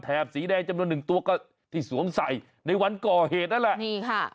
แถบสีแดงจำนวนหนึ่งตัวที่สวมใส่ในวันก่อเหตุนั่นแหละ